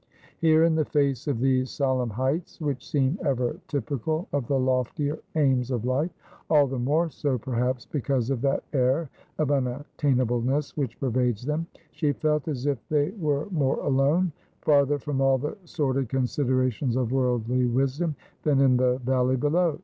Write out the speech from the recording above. Here, in the face of these solemn heights, which seem ever typical of the loftier aims of life — all the more so, perhaps, because of that air of unattainableness which pervades them — she felt as if they were more alone, farther from all the sordid considerations of worldly wisdom than in the valley below.